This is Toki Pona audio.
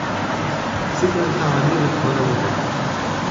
sitelen tawa ni li pona mute.